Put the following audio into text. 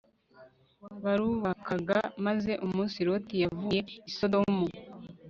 barubakaga maze umunsi Loti yavuye i Sodomu